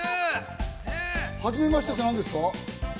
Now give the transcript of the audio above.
初めましてって何ですか？